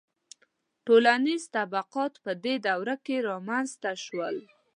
• ټولنیز طبقات په دې دوره کې رامنځته شول.